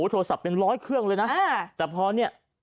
โทรศัพท์เป็นร้อยเครื่องเลยนะแต่พอเนี่ย